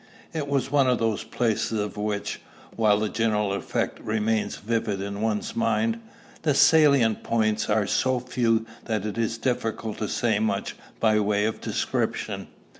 It was one of those places of which, while the general effect remains vivid in one's mind, the salient points are so few that it is difficult to say much by way of description.